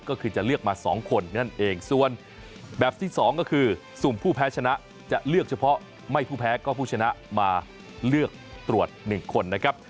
ก็คือจะเลือกมา๒คนนั่นเองส่วนแบบที่สองก็คือสุ่มผู้แพ้ชนะจะเลือกเฉพาะไม่ผู้แพ้ก็ผู้ชนะมาเลือกตรวจ๑คนนะครับ